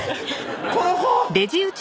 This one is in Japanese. この子！」